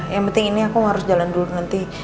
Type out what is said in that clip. yang penting ini aku harus jalan dulu nanti